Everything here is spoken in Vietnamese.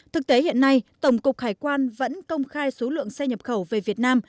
thực tế hiện nay tổng cục hải quan vẫn công khai số lượng xe nhập khẩu về việt nam